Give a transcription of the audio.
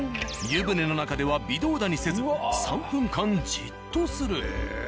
湯船の中では微動だにせず３分間じっとする。